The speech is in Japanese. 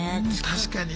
確かに。